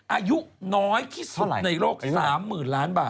อายุน้อยที่สุดในโลก๓๐๐๐ล้านบาท